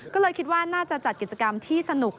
ก็เลยคิดว่าน่าจะจัดกิจกรรมที่สนุก